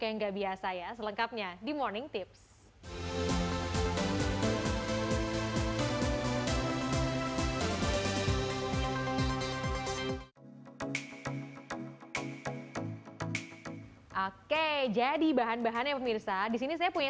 yang gak biasa ya selengkapnya di morning tips oke jadi bahan bahannya pemirsa disini saya punya